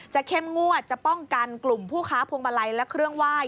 เข้มงวดจะป้องกันกลุ่มผู้ค้าพวงมาลัยและเครื่องไหว้